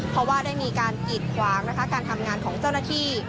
เพราะว่าได้มีการกีดขวางนะคะการทำงานของเจ้าหน้าที่